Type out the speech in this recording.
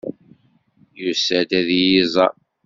Yusa-d ad iyi-iẓer.